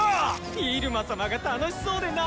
入間様が楽しそうで何より！